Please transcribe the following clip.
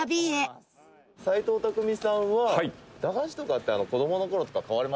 続いては「斎藤工さんは駄菓子とかって子供の頃とか買われました？」